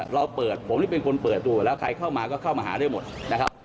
เราเปิดผมนี่เป็นคนเปิดดูแล้วใครเข้ามาก็เข้ามาหาได้หมดนะครับ